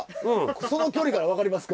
その距離から分かりますか？